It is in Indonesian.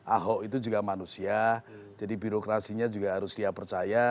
ahok itu juga manusia jadi birokrasinya juga harus dia percaya